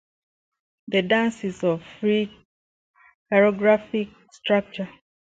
The dance is of free choreographic structure.